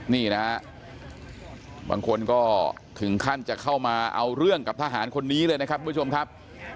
นี่นะฮะบางคนก็ถึงขั้นจะเข้ามาเอาเรื่องกับทหารคนนี้เลยนะครับ